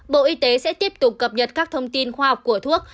bộ y tế sẽ tiếp tục cập nhật các thông tin khoa học của thuốc